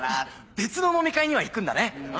別の飲み会には行くんだね。